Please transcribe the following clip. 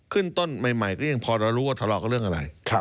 ขึ้นต้นใหม่ก็ยังพอเรารู้ว่าทะเลาะกับเรื่องอะไร